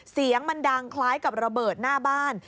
เสียงมันดังคล้ายกับระเบิดหน้าบ้าน